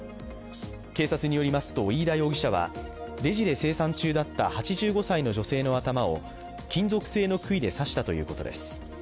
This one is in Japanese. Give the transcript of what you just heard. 警察によりますと、飯田容疑者はレジで精算中だった８５歳の女性の頭を金属製のくいで刺したということです。